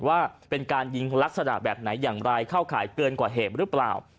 ว่าเป็นการยิงลักษณะแบบไหนอย่างไรเข้าข่ายเกินกว่าเหตุหรือเปล่า